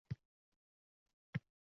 Judayam qiziq.